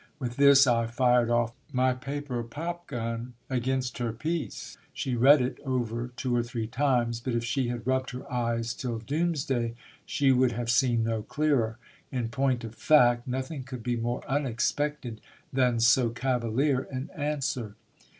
With this I fired off my paper popgun against her peace. She read it over two or three times, but if she had rubbed her eyes till doomsday she would have seen no clearer. In point of fact, nothing could be more unexpected than so cavalier an answer.